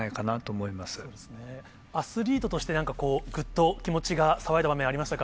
そうですね、アスリートとして、なんかこう、ぐっと気持ちが騒いだ場面、ありましたか？